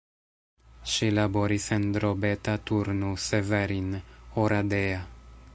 Ŝi laboris en Drobeta-Turnu Severin, Oradea.